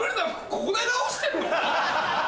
ここで直してんの？